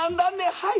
「はい。